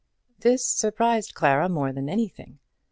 This surprised Clara more than anything.